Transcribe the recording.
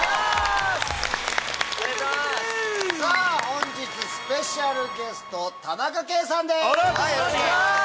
本日スペシャルゲスト田中圭さんです！